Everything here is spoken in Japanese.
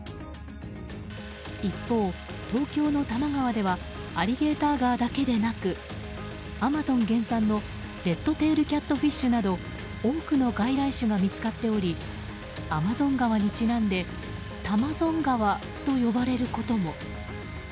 一方、東京の多摩川ではアリゲーターガーだけでなくアマゾン原産のレッドテールキャットフィッシュなど多くの外来種が見つかっておりアマゾン川にちなんで「タマゾン川」と呼ばれることも。